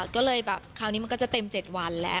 ก็เลยแบบคราวนี้มันก็จะเต็ม๗วันแล้ว